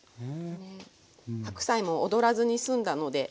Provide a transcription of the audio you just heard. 白菜もおどらずにすんだので。